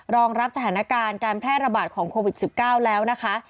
รองรับสถานการณ์การแพร่ระบาดของโควิด๑๙แล้วนะคะ